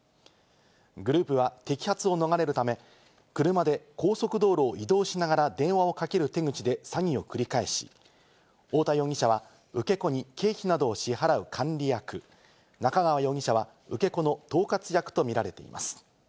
グループは摘発を逃れるため、車で高速道路を移動しながら電話をかける手口で詐欺を繰り返し、太田容疑者は受け子に経費などを支払う管理役、中川容疑者は受け子の統括役と見られています。